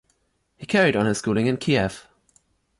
He carried on his schooling in Kiev.